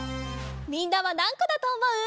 みんなはなんこだとおもう？